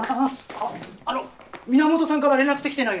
あっあの皆本さんから連絡ってきてないよね？